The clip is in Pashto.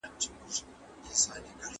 هر استاد د ډېرو شاګردانو لارښوونه کوي.